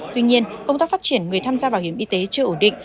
tuy nhiên công tác phát triển người tham gia bảo hiểm y tế chưa ổn định